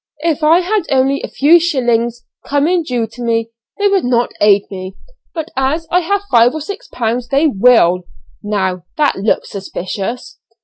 If I had only a few shillings coming due to me they would not aid me, but as I have five or six pounds they will, now that looks suspicious.